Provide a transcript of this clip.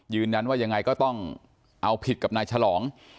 ยืนนั้นว่ายังไงก็ต้องเอาผิดกับนายฉรอง